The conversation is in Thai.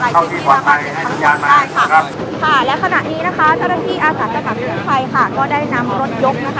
สวัสดีครับ